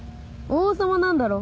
王様なんだろ？